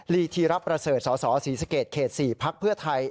ลีทีรับประเสร็จเสาะสสฬซาเกิดเขตสี่พพไทย